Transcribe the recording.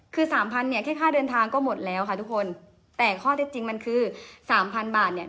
คือสามพันเนี่ยแค่ค่าเดินทางก็หมดแล้วค่ะทุกคนแต่ข้อเท็จจริงมันคือสามพันบาทเนี่ย